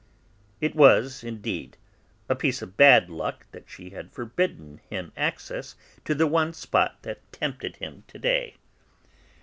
It was, indeed, a piece of bad luck that she had forbidden him access to the one spot that tempted him to day.